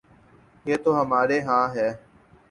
یہ تو ہمارے ہاں ہے۔